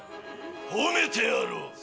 褒めてやろう。